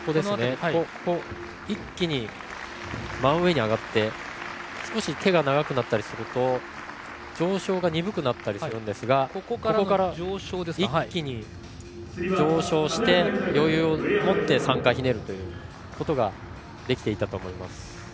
一気に真上に上がって少し手が長くなったりすると上昇が鈍くなったりするんですが一気に上昇して余裕を持って３回ひねるということができていたと思います。